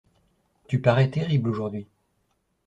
Tu parais terrible aujourd'hui.